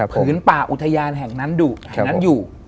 ผืนป่าอุทยานแห่งนั้นอยู่